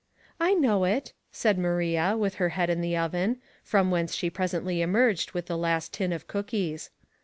"I know it," said Maria, with her head in the oven, from whence she presently emerged with the last tin of cookies.